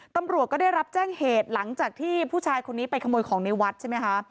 ตำรวจก็ได้รับแจ้งเหตุหลังจากที่ผู้ชายคนนี้ไปขโมยของในวัดใช่ไหมคะ